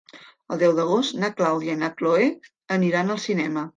El deu d'agost na Clàudia i na Cloè aniran al cinema.